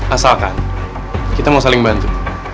asalkan kita mau saling bantu